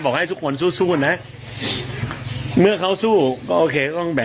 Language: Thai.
พี่ปั๊ดเดี๋ยวมาที่ร้องให้